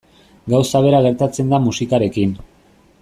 Gauza bera gertatzen da musikarekin.